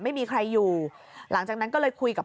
ไม่มีใครอยู่หลังจากนั้นก็เลยคุยกับ